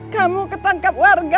kamu ketangkap warga